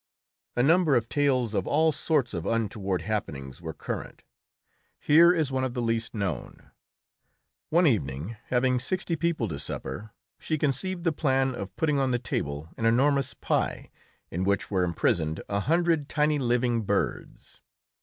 A number of tales of all sorts of untoward happenings were current. Here is one of the least known: One evening, having sixty people to supper, she conceived the plan of putting on the table an enormous pie, in which were imprisoned a hundred tiny living birds.